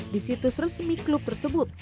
di situs resmi klub tersebut